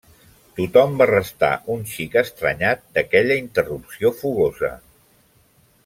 Tothom va restar un xic estranyat d'aquella interrupció fogosa.